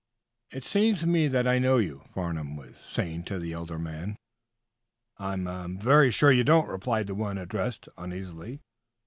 "It seems to me that I know you," Farnum was saying, to the elder man. "I I am very sure you don't," replied the one addressed, uneasily.